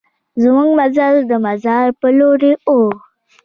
زمونږ مزل د مزار په لور و.